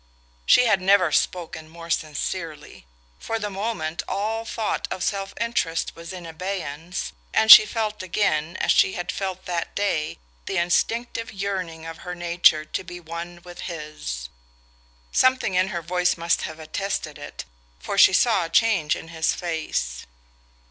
She had never spoken more sincerely. For the moment all thought of self interest was in abeyance, and she felt again, as she had felt that day, the instinctive yearning of her nature to be one with his. Something in her voice must have attested it, for she saw a change in his face.